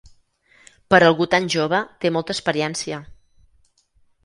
Per algú tant jove, té molta experiència.